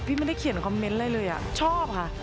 พี่ไม่ได้เขียนคอมเม้นท์อะไรเลยอ่ะชอบค่ะ